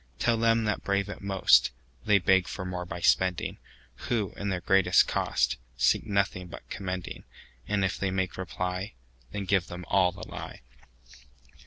Tell them that brave it most, They beg for more by spending, Who, in their greatest cost, Seek nothing but commending:And if they make reply, Then give them all the lie.